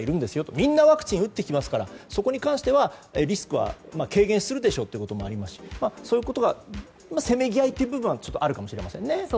みんなワクチン打ってきますからそこに関してはリスクは軽減するでしょうということもありますしそういうことのせめぎ合いという部分があるかもしれません。